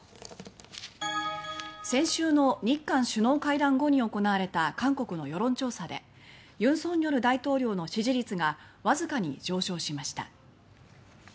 先週の日韓首脳会談後に行われた韓国の世論調査で尹錫悦大統領の支持率がわずかに上昇しました。